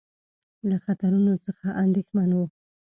له خطرونو څخه اندېښمن وو.